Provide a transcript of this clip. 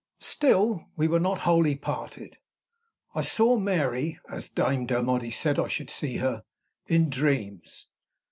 Still, we were not wholly parted. I saw Mary as Dame Dermody said I should see her in dreams.